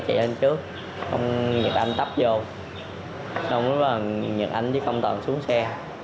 cơ quan công an bước đầu các đối tượng thừa nhận hành vi cướp xe máy của ông mì